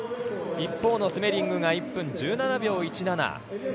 一方のスメディングが１分１７秒１７。